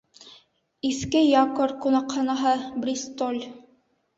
«Иҫке якорь» ҡунаҡханаһы, Бристоль.